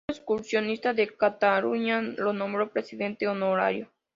El Centro Excursionista de Cataluña lo nombró presidente honorario.